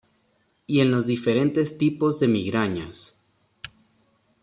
Y en los diferentes tipos de migrañas.